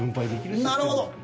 なるほど。